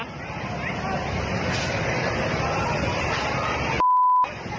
แล้วดี